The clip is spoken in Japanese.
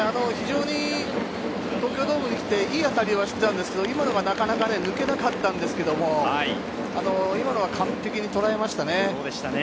東京ドームに来て、いい当たりをしていたんですけれど、今までは抜けなかったんですが、今のは完璧に捉えましたね。